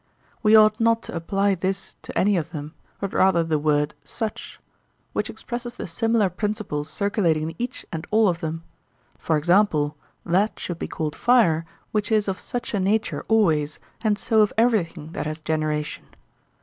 We ought not to apply 'this' to any of them, but rather the word 'such'; which expresses the similar principle circulating in each and all of them; for example, that should be called 'fire' which is of such a nature always, and so of everything that has generation.